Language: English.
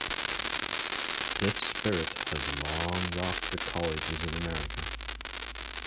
This spirit has long rocked the colleges in America.